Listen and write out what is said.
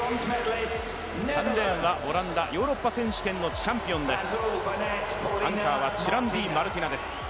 昨年はオランダ、ヨーロッパ選手権のチャンピオンです。